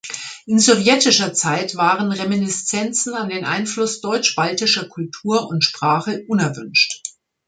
In sowjetischer Zeit waren Reminiszenzen an den Einfluss deutsch-baltischer Kultur und Sprache unerwünscht.